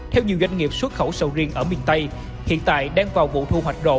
theo nhiều doanh nghiệp xuất khẩu sầu riêng ở miền tây hiện tại đang vào vụ thu hoạch rộ